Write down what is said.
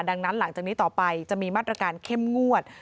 ดังนั้นหลังจากนี้ต่อไปจะมีมาตรการเข้มงวด